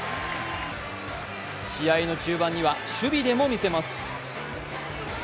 試合の中盤には守備でも見せます。